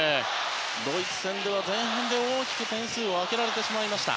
ドイツ戦では前半で大きく点数を開けられました。